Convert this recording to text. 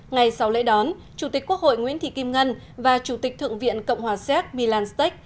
ngày sau lễ đón chủ tịch quốc hội nguyễn thị kim ngân và chủ tịch thượng viện cộng hòa xác milanstech